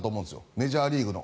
メジャーリーグの。